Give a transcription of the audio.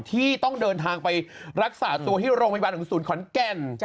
ที่ต้องเดินทางไปรักษาตัวที่โรงพยาบาลของศูนย์ขอนแก่น